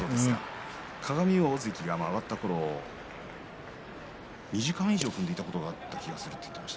鏡桜関が上がったころ２時間以上踏んでいたことがあった気がすると言っていました。